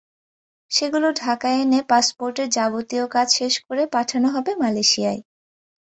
সেগুলো ঢাকায় এনে পাসপোর্টের যাবতীয় কাজ শেষ করে পাঠানো হবে মালয়েশিয়ায়।